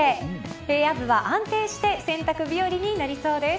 平野部は安定して洗濯日和になりそうです。